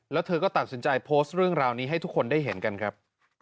แล้วเธอก็ตัดสินใจโพสต์เรื่องราวนี้ให้ทุกคนได้เห็นกันครับ